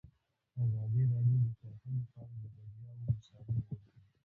ازادي راډیو د کرهنه په اړه د بریاوو مثالونه ورکړي.